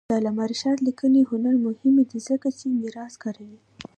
د علامه رشاد لیکنی هنر مهم دی ځکه چې میراث کاروي.